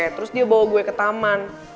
terus dia bawa gue ke taman